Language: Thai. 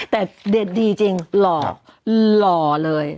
แต่เด็ดดีจริงหล่อหล่อเลย